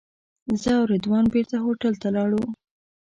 زه او رضوان بېرته هوټل ته لاړو.